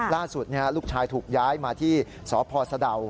ล่าสุดลูกชายถูกย้ายมาที่สพสะดาว